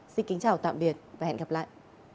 xin kính chào tạm biệt và hẹn gặp lại